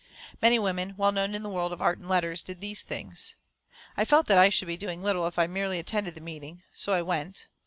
Many women, well known in the world of art and letters, did these things. I felt that I should be doing little if I merely attended the meeting. So I went.